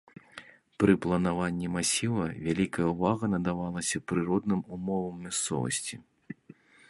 Пры планаванні масіва вялікая ўвага надавалася прыродным умовам мясцовасці.